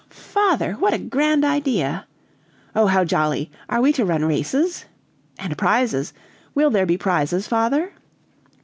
"Father, what a grand idea!" "Oh, how jolly! Are we to run races?" "And prizes! Will there be prizes, father?"